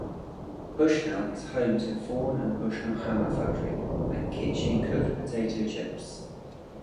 Bushnell is home to Vaughan and Bushnell hammer factory and Kitchen Cooked Potato Chips.